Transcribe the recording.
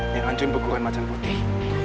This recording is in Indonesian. yang hancurin pekuran macem putih